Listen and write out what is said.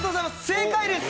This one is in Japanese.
正解です。